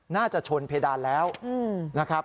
น่าจะชนเพดานแล้วนะครับ